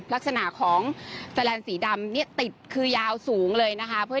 ลักษณะของสลานสีดำติดคือยาวสูงเลย